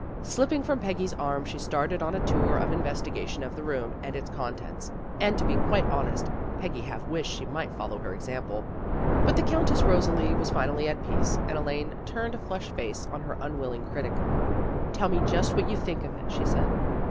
Slipping from Peggy's arms she started on a tour of in vestigation of the room and its contents, and, to be quite honest, Peggy half wished she might follow her example. But the Countess Rosalie was finally at peace, and Elaine turned a flushed face on her unwill ing critic. " Tell me just what you think of it," she said.